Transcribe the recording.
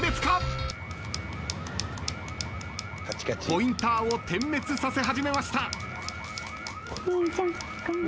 ポインターを点滅させ始めました。